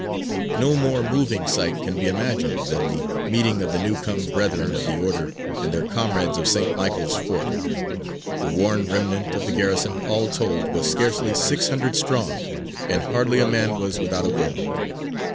No more moving sight can be imagined than the meeting of the new come Brethren of the Order and their comrades of St. Michael's Fort. The worn remnant of the garrison, all told, was scarcely six hundred strong, and hardly a man was without a wound.